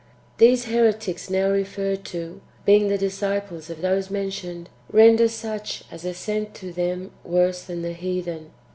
These [heretics now referred to],^ being the dis ciples of those mentioned, render such as assent to them worse than the heathen.